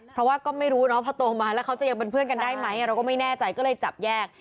เพราะว่าก็ไม่รู้เนาะพอโตมาแล้วเขาจะยังเป็นเพื่อนกันได้ไหมเราก็ไม่แน่ใจก็เลยจับแยก